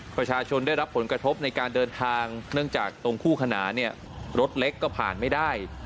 ประชาชนได้รับผลกระทบในการเดินทางเนื่องจากตรงคู่ขนานเนี่ยรถเล็กก็ผ่านไม่ได้